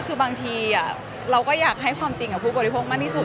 คือบางทีเราก็อยากให้ความจริงกับผู้บริโภคมากที่สุด